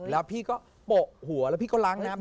แล้วพี่ก็โปะหัวแล้วพี่ก็ล้างน้ำ